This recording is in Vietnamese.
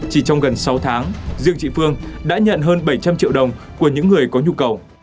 chỉ trong gần sáu tháng riêng chị phương đã nhận hơn bảy trăm linh triệu đồng của những người có nhu cầu